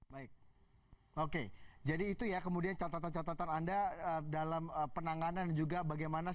baik oke jadi itu ya kemudian catatan catatan anda dalam penanganan dan juga bagaimana